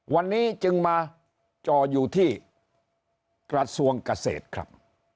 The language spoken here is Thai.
วันนี้จึงมาจออยู่ที่กระทรวงเกษตรครับ